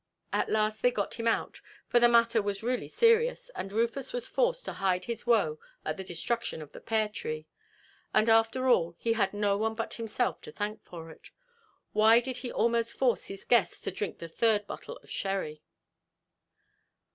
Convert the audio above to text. At last they got him out, for the matter was really serious, and Rufus was forced to hide his woe at the destruction of the pear–tree. And after all he had no one but himself to thank for it. Why did he almost force his guests to drink the third bottle of sherry?